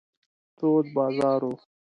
تود بازار و.